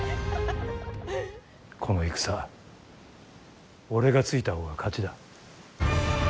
この戦俺がついたほうが勝ちだ。